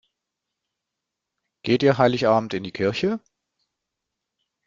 Geht ihr Heiligabend in die Kirche?